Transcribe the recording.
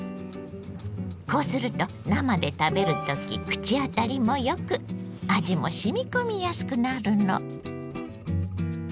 こうすると生で食べる時口当たりもよく味もしみこみやすくなるの。